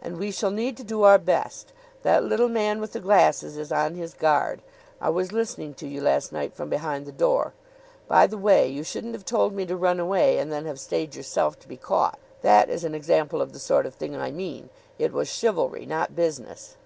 "And we shall need to do our best. That little man with the glasses is on his guard. I was listening to you last night from behind the door. By the way, you shouldn't have told me to run away and then have stayed yourself to be caught. That is an example of the sort of thing I mean. It was chivalry not business."